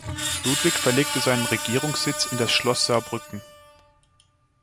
Ludwig verlegte seinen Regierungssitz in das Schloss Saarbrücken.